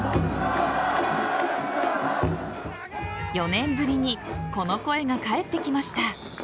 ４年ぶりにこの声が返ってきました。